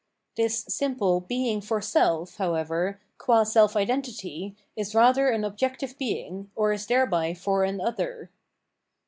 This simple being for self, however, qua self identity, is rather an objective being, or is thereby for an other.